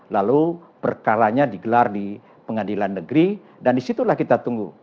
lalu perkalanya digelar di pengadilan negeri dan disitulah kita tunggu